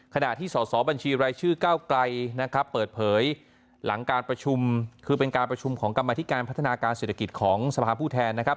ขณะที่สอสอบัญชีรายชื่อก้าวไกลนะครับเปิดเผยหลังการประชุมคือเป็นการประชุมของกรรมธิการพัฒนาการเศรษฐกิจของสภาพผู้แทนนะครับ